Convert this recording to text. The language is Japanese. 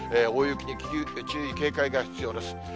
大雪に注意、警戒が必要です。